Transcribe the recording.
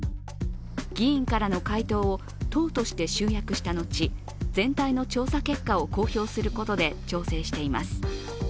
議員からの回答を党として集約した後全体の調査結果を公表することで調整しています。